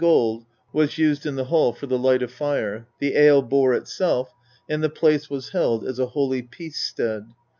247 used in the hall for the light of fire, the ale bore itself, and the place was held as a holy peace stead.